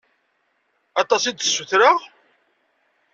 Aṭas i d-ssutreɣ?